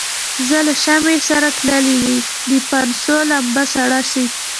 زه له شمعي سره تللی د پانوس لمبه سړه سي